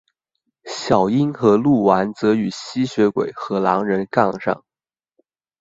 小樱和鹿丸则与吸血鬼和狼人杠上。